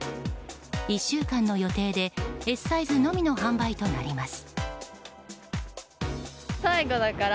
１週間の予定でＳサイズのみの販売となります。